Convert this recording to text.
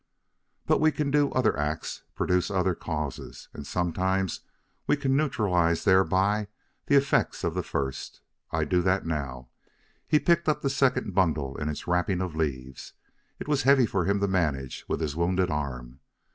"But we can do other acts, produce other causes, and sometimes we can neutralize thereby the effects of the first. I do that now." He picked up the second bundle in its wrapping of leaves; it was heavy for him to manage with his wounded arm.